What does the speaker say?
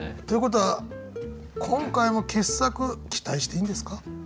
ということは今回も傑作期待していいんですか？